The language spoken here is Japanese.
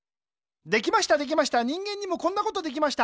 できましたできました人間にもこんなことできました。